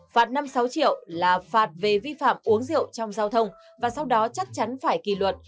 phạt năm sáu triệu là phạt về vi phạm uống rượu trong giao thông và sau đó chắc chắn phải kỳ luật